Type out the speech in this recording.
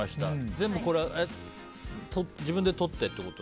全部、自分で撮ったってこと？